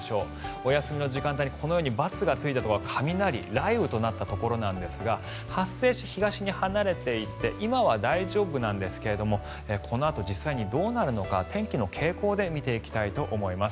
お休みの時間帯に、このように×がついているところは雷、雷雨となっているところですが発生して東に離れていって今は大丈夫なんですがこのあと実際にどうなるのか天気の傾向で見ていきたいと思います。